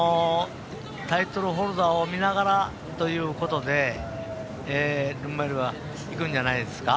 タイトルホルダーを見ながらということでルメールはいくんじゃないですか。